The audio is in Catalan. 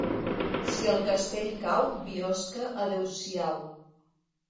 Si el castell cau, Biosca adeu-siau.